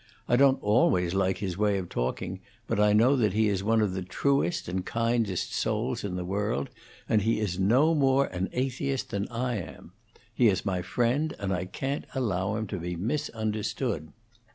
I don't always like his way of talking, but I know that he is one of the truest and kindest souls in the world; and he is no more an atheist than I am. He is my friend, and I can't allow him to be misunderstood."